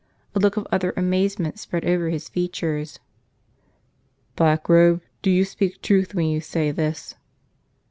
A look of utter amazement spread over his features. "Blackrobe, do you speak truth when you say this?"